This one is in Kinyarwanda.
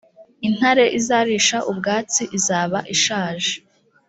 intare izarisha ubwatsi izabaishaje